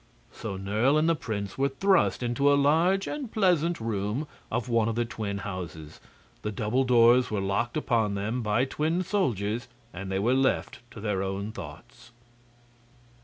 So Nerle and the prince were thrust into a large and pleasant room of one of the twin houses, the double doors were locked upon them by twin soldiers, and they were left to their own thoughts.